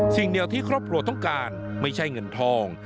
สิ่งเดียวที่ครอบครัวต้องการไม่ใช่เงินทอง